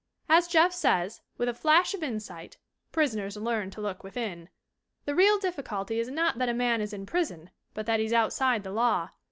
As Jeff says, with a flash of insight (prisoners learn to look within), the real difficulty is not that a man is in prison, but that he's outside the law.